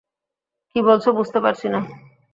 কী বলছ বুঝতে পারছি না।